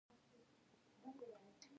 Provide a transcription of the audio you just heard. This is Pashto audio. ایا ستاسو شفاعت به وشي؟